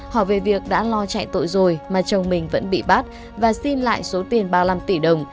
hỏi về việc đã lo chạy tội rồi mà chồng mình vẫn bị bắt và xin lại số tiền ba mươi năm tỷ đồng